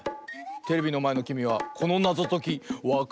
テレビのまえのきみはこのなぞときわかるかな？